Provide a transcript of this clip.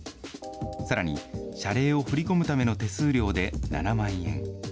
さらに、謝礼を振り込むための手数料で７万円。